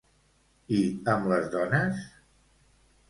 I amb les dones?